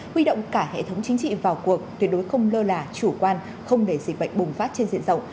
huy động cả hệ thống chính trị vào cuộc tuyệt đối không lơ là chủ quan không để dịch bệnh bùng phát trên diện rộng